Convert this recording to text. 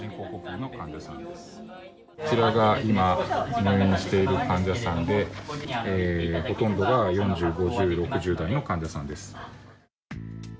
こちらが今入院をしている患者さんで、ほとんどが４０、５０、６０代の患者さんです。